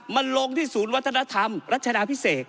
มันลงที่ศูนย์วัฒนธรรมรัชดาพิเศษ